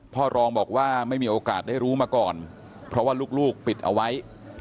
พ่อรองบอกว่าไม่มีโอกาสได้รู้มาก่อนเพราะว่าลูกปิดเอาไว้